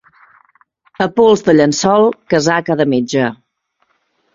A pols de llençol, casaca de metge.